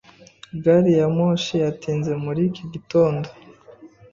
Gari ya moshi yatinze muri iki gitondo.